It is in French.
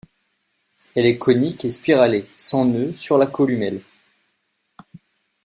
Elle est conique et spiralée, sans nœuds sur la columelle.